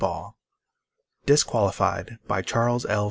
_ DISQUALIFIED BY CHARLES L.